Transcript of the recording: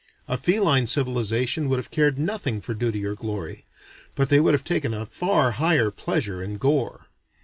A feline civilization would have cared nothing for duty or glory, but they would have taken a far higher pleasure in gore.